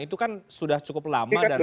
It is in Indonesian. itu kan sudah cukup lama dari